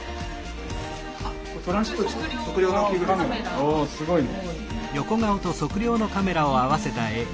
おすごいね。